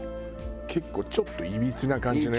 結構ちょっといびつな感じのやつ？